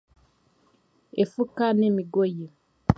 Efuka n'emigoyi